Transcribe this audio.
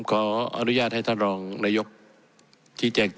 ผมจะขออนุญาตให้ท่านอาจารย์วิทยุซึ่งรู้เรื่องกฎหมายดีเป็นผู้ชี้แจงนะครับ